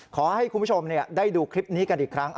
ขอให้คุณผู้ชมได้ดูคลิปนี้กันอีกครั้ง